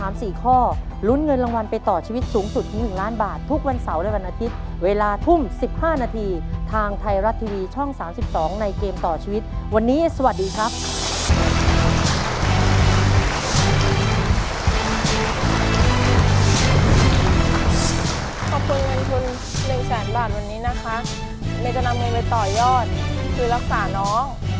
เมย์จะนำเงินไปต่อยอดคือรักษาน้อง